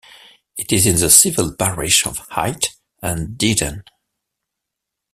It is in the civil parish of Hythe and Dibden.